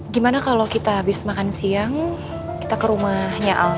gimana kalau kita habis makan siang kita ke rumahnya al